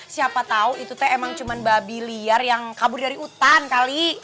siapa tahu itu teh emang cuma babi liar yang kabur dari utan kali